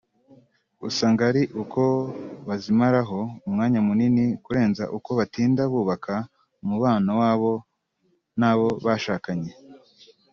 usanga ari uko bazimaraho umwanya munini kurenza uko batinda bubaka umubano wabo n’abo bashakanye